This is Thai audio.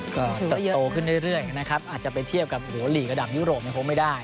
ก็เติบโตขึ้นเรื่อยนะครับอาจจะไปเทียบกับหัวหลีกระดับยุโรปมันคงไม่ได้